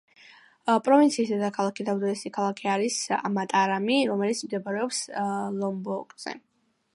პროვინციის დედაქალაქი და უდიდესი ქალაქი არის მატარამი, რომელიც მდებარეობს ლომბოკზე.